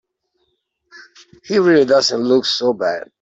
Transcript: He really doesn't look so bad.